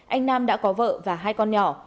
anh nam đã có vợ và hai con nhỏ